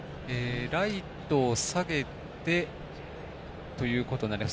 ライトを下げてということになります。